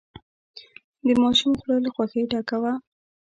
د ماشوم خوله له خوښۍ ډکه وه.